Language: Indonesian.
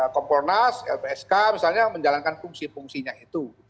kompornas lpsk misalnya yang menjalankan fungsi fungsinya itu